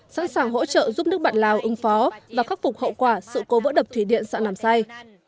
sẵn sàng hỗ trợ giúp nước bạn lào ứng phó và khắc phục hậu quả sự cố vỡ đập thủy điện xã nàm xay